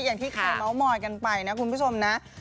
อย่างที่เคยเมาส์มอยกันไปนะคุณผู้ชมนะ